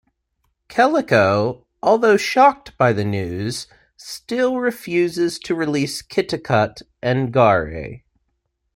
Kaliko, although shocked by the news, still refuses to release Kitticut and Garee.